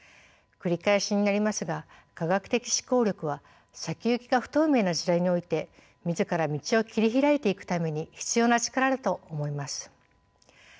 繰り返しになりますが科学的思考力は先行きが不透明な時代において自ら道を切り開いていくために必要な力だと思います。